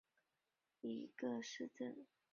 海梅尔廷根是德国巴伐利亚州的一个市镇。